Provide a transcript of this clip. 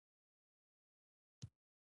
حکومت د خلکو خدمتګار دی.